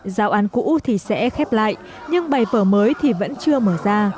giáo án cũ thì sẽ khép lại nhưng bài phở mới thì vẫn chưa mở ra